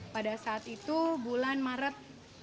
pada saat itu bulan maret